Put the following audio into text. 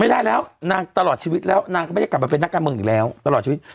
ไม่ได้แล้วนางตลอดชีวิตแล้วนางก็ไม่ได้กลับมาเป็นนักการเมืองอีกแล้วตลอดชีวิต